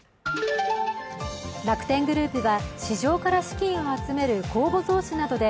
楽天グループは市場から資金を集める公募増資などで